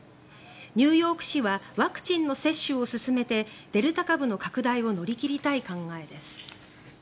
ニューヨーク市はワクチンの接種を進めてデルタ株の拡大を乗り切りたい考えです。